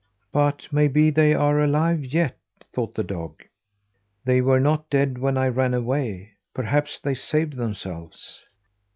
"But maybe they are alive yet!" thought the dog. "They were not dead when I ran away; perhaps they saved themselves."